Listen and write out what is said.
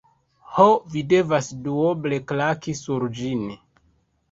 Ho, vi devas duoble klaki sur ĝin.